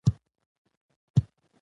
میرویس نیکه به هر وخت مناسب فرصت ته کتل.